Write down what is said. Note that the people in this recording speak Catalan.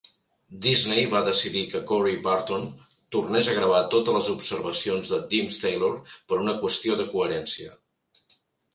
Disney va decidir que Corey Burton tornés a gravar totes les observacions de Deems Taylor per una qüestió de coherència.